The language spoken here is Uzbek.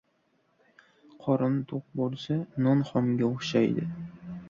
• Qorin to‘q bo‘lsa, non xomga o‘xshaydi.